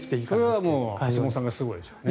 それは橋本さんがすごいですよね。